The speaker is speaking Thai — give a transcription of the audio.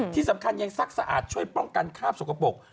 ที่สำคัญยังซักสะอาดช่วยป้องกันคาบสกปรก